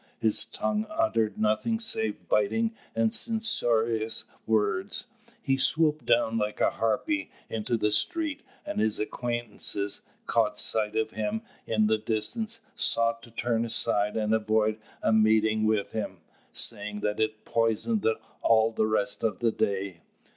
His tongue uttered nothing save biting and censorious words. He swooped down like a harpy into the street: and his acquaintances, catching sight of him in the distance, sought to turn aside and avoid a meeting with him, saying that it poisoned all the rest of the day.